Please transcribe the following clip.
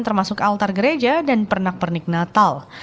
pernik altar gereja dan pernik pernik natal